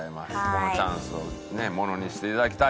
このチャンスをねものにしていただきたい。